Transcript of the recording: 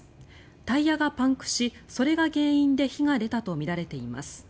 タイヤがパンクし、それが原因で火が出たとみられています。